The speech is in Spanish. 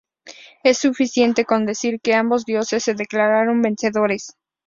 Es suficiente con decir, que ambos dioses se declararon vencedores.